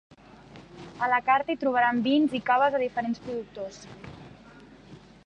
A la carta hi trobaran vins i caves de diferents productors.